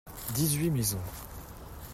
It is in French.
Dix-huit maisons.